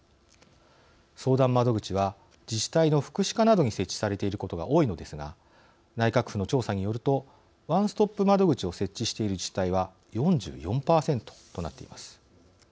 相談窓口は自治体の福祉課などに設置されていることが多いのですが内閣府の調査によるとワンストップ窓口を設置している自治体は４４％となっています。